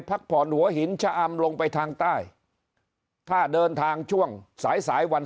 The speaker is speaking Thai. พักผ่อนหัวหินชะอำลงไปทางใต้ถ้าเดินทางช่วงสายสายวัน